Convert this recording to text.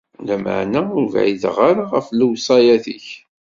Lameɛna, ur bɛideɣ ara ɣef lewṣayat-ik.